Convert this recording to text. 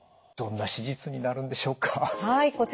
どんな手術になるんでしょうか？